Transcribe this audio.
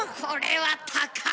はい！